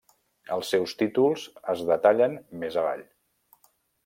Els seus títols es detallen més avall.